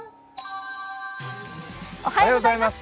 おはようございます。